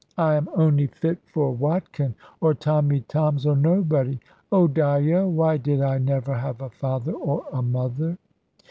I am ony fit for Watkin, or Tommy Toms, or nobody! Old Dyo, why did I never have a father or a mother?"